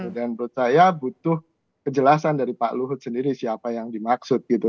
dan menurut saya butuh kejelasan dari pak luhut sendiri siapa yang dimaksud gitu